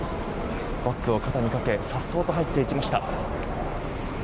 バッグを肩にかけ颯爽と入っていきました。